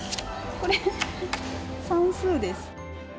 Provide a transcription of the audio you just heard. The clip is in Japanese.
これ、算数です。